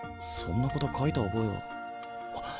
そんなこと書いた覚えは